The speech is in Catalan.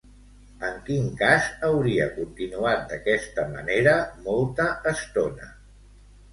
En quin cas hauria continuat d'aquesta manera molta estona?